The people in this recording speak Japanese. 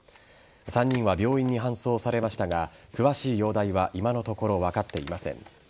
３人は病院に搬送されましたが詳しい容態は今のところ分かっていません。